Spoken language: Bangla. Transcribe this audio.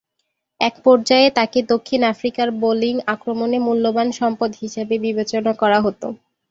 এক পর্যায়ে তাকে দক্ষিণ আফ্রিকার বোলিং আক্রমণে মূল্যবান সম্পদ হিসেবে বিবেচনা করা হতো।